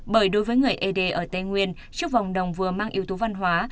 bởi đối với người ế đê ở tây nguyên chiếc vòng đồng vừa mang yếu tố văn hóa